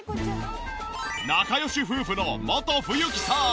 仲良し夫婦のモト冬樹さん。